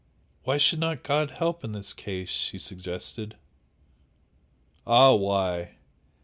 "Why should not God help in this case?" she suggested. "Ah, why!"